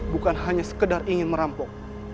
bukan hanya sekedar ingin merampok